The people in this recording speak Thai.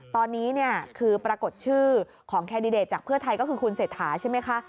ตอนนี้เนี่ยคือปรากฏชื่อของแคนดิเดตจากเพื่อไทยก็คือคุณเศรษฐาใช่ไหมคะ